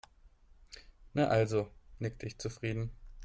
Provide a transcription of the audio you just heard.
Na also, nickte ich zufrieden.